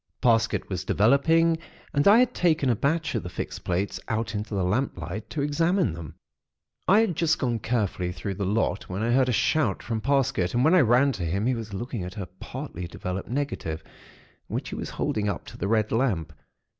Parsket was developing, and I had taken a batch of the fixed plates out into the lamplight to examine them. "I had just gone carefully through the lot, when I heard a shout from Parsket, and when I ran to him, he was looking at a partly developed negative, which he was holding up to the red lamp.